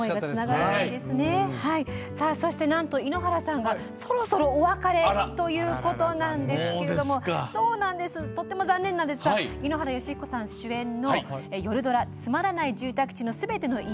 そして、なんと井ノ原さんがそろそろお別れということなんですけどもとっても残念なんですが井ノ原快彦さん主演の夜ドラ「つまらない住宅地のすべての家」